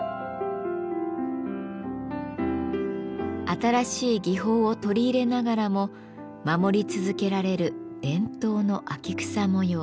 新しい技法を取り入れながらも守り続けられる伝統の秋草模様。